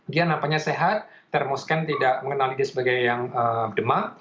dia namanya sehat termoscan tidak mengenali dia sebagai yang demam